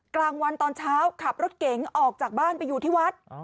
กลางวันตอนเช้าขับรถเก๋งออกจากบ้านไปอยู่ที่วัด